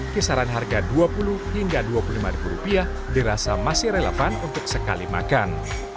kisaran harga dua puluh hingga dua puluh lima ribu rupiah dirasa masih relevan untuk sekali makan